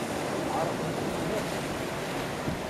Ɛerqent-iyi akk.